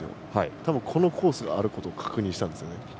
多分、このコースがあることを確認したんですね。